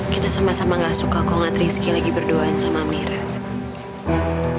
kita sama sama gak suka kalau lihat rizky lagi berduaan sama amirah